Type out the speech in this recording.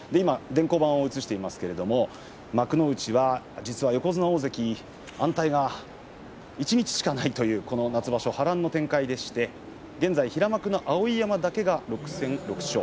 電光板を映していますけれども幕内は実は横綱大関安泰が一日しかないというこの夏場所波乱の展開でして、現在平幕の碧山だけが６戦６勝。